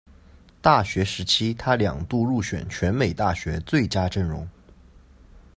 大学时期他两度入选全美大学最佳阵容。